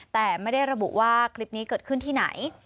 แต่ไม่ได้ระบุว่าคลิปนี้เกิดขึ้นที่ไหน